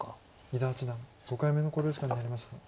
伊田八段５回目の考慮時間に入りました。